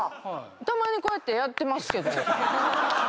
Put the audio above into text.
たまにこうやってやってます。